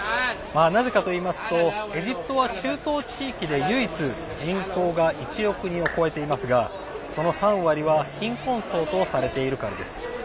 なぜかといいますとエジプトは、中東地域で唯一人口が１億人を超えていますがその３割は貧困層とされているからです。